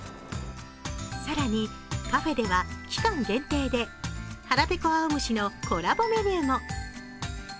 更にカフェでは期間限定ではらぺこあおむしのコラボメニューも。